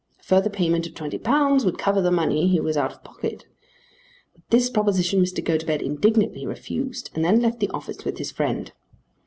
A further payment of £20 would cover the money he was out of pocket. But this proposition Mr. Gotobed indignantly refused, and then left the office with his friend.